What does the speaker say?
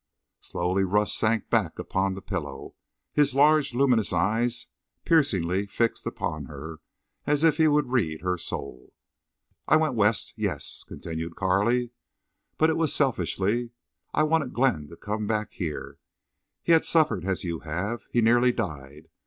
Slowly Rust sank back upon the pillow, his large luminous eyes piercingly fixed upon her, as if he would read her soul. "I went West—yes—" continued Carley. "But it was selfishly. I wanted Glenn to come back here.... He had suffered as you have. He nearly died.